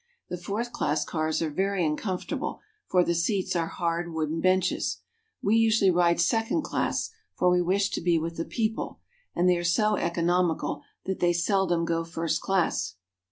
The fourth class cars are very uncomfortable, for the seats are hard wooden benches. We usually ride second class, for we wish to be with the people, and they are so economical that they seldom go first class.